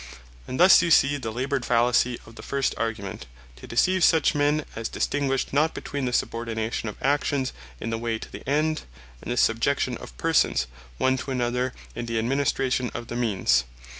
And thus you see the laboured fallacy of the first Argument, to deceive such men as distinguish not between the Subordination of Actions in the way to the End; and the Subjection of Persons one to another in the administration of the Means.